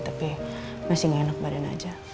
tapi masih nggak enak badan aja